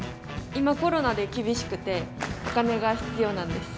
今コロナで厳しくてお金が必要なんです。